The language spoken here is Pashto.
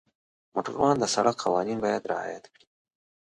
موټروان د سړک قوانین باید رعایت کړي.